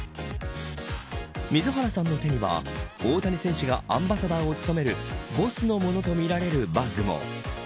水原さんの手には大谷選手がアンバサダーを務めるＢＯＳＳのものとみられるバッグも。